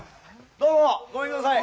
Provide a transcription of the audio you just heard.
どうもごめんください。